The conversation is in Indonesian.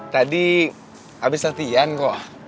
tadi abis latihan kok